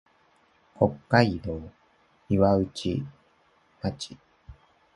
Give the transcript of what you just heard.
北海道岩内町